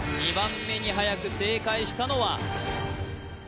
２番目にはやく正解したのは？